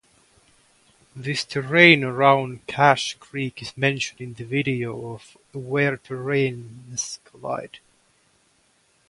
This terraine around Cache Creek is mentioned in the video of "Where terraines collide".